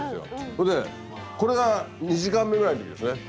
それでこれが２時間目ぐらいの時ですね。